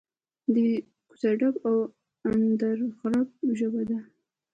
د کوڅه ډب او اندرغړب ژبه ده.